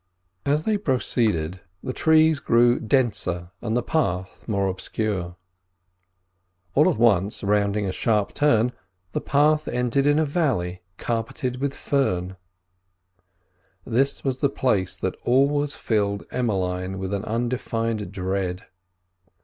As they proceeded the trees grew denser and the path more obscure. All at once, rounding a sharp turn, the path ended in a valley carpeted with fern. This was the place that always filled Emmeline with an undefined dread.